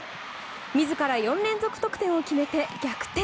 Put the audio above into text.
自ら４連続得点を決めて逆転。